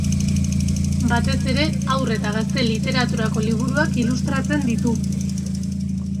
Batez ere Haur eta Gazte Literaturako liburuak ilustratzen ditu.